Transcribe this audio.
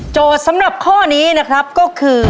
สำหรับข้อนี้นะครับก็คือ